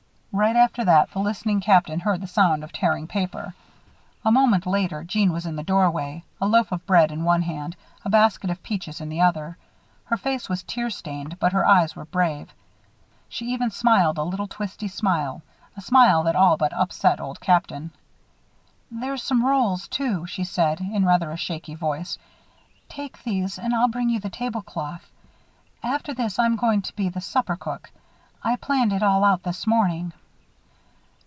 Right after that the listening Captain heard the sound of tearing paper. A moment later, Jeanne was in the doorway a loaf of bread in one hand, a basket of peaches in the other. Her face was tear stained, but her eyes were brave. She even smiled a little, twisty smile a smile that all but upset Old Captain. "There's some rolls, too," she said, in rather a shaky voice. "Take these and I'll bring you the tablecloth. After this, I'm going to be the supper cook. I planned it all out this morning."